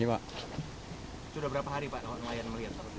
sudah berapa hari pak nelayan melihat